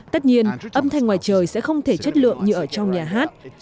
tất nhiên âm thanh ngoài trời sẽ không thể chất lượng như ở trong nhà hát